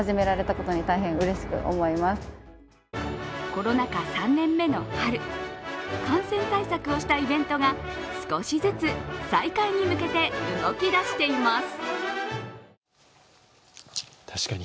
コロナ禍３年目の春、感染対策をしたイベントが少しずつ再開に向けて動き出しています。